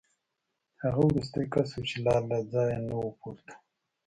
هغه وروستی کس و چې لا له ځایه نه و پورته